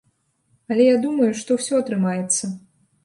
Але я думаю, што ўсё атрымаецца.